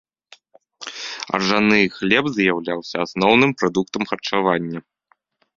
Аржаны хлеб з'яўляўся асноўным прадуктам харчавання.